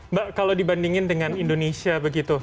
mbak kalau dibandingin dengan indonesia begitu